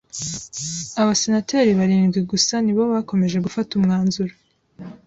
Abasenateri barindwi gusa ni bo bakomeje gufata umwanzuro.